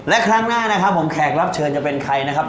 และครั้งหน้านะครับผมแขกรับเชิญจะเป็นใครนะครับ